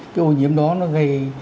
cái ô nhiễm đó nó gây